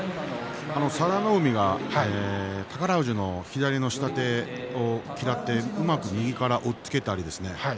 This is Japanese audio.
佐田の海が宝富士の左の下手を嫌ってうまく右から押っつけたんですね。